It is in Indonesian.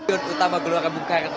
utama gelora buker